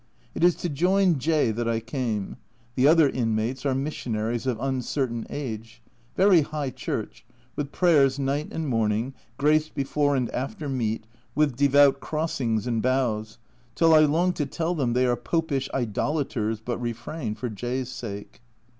It is to join J that I came ; the other inmates are missionaries of uncertain age, very high church, with prayers night and morning, grace before and after meat, with devout crossings and bows, till I long to tell them they are popish idolaters, but refrain, for J 's sake.